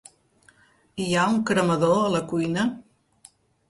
Hi ha un cremador a la cuina?